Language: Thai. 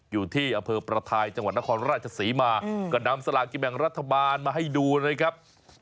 อยู่ที่อำเภอประทายจังหวัดนครราชศรีมาก็นำสลากินแบ่งรัฐบาลมาให้ดูนะครับ